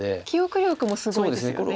記憶力もすごいですよね。